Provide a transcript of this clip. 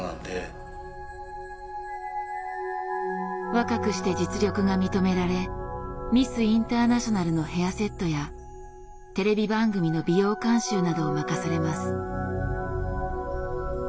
若くして実力が認められミスインターナショナルのヘアセットやテレビ番組の美容監修などを任されます。